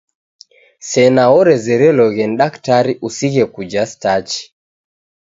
Sena orezereloghe ni daktari usighe kuja stachi.